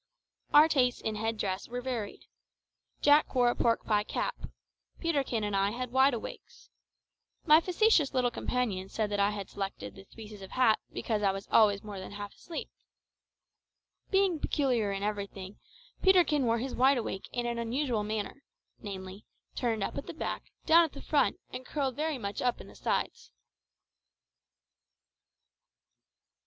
Our tastes in headdress were varied. Jack wore a pork pie cap; Peterkin and I had wide awakes. My facetious little companion said that I had selected this species of hat because I was always more than half asleep! Being peculiar in everything, Peterkin wore his wide awake in an unusual manner namely, turned up at the back, down at the front, and curled very much up at the sides.